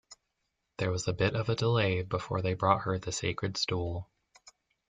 There was a bit of a delay before they brought her the sacred stool.